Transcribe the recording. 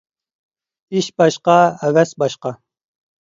ئىش باشقا، ھەۋەس باشقا.